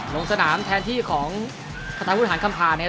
ลงสนามแทนที่ของพระธรรมพุทธหารคำพานะครับ